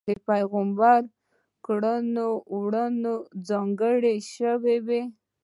د پېغمبر کړو وړوته ځانګړې شوې ده.